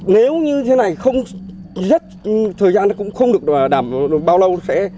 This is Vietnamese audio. nếu như thế này không thời gian nó cũng không được đảm bảo bao lâu